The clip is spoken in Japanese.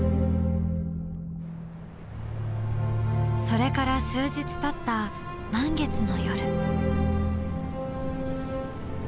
それから数日たった満月の夜。